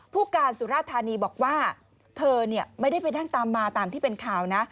ผู้การสุราธานีบอกว่าเธอไม่ได้ไปนั่งตามมาตามที่เป็นข่าวนะ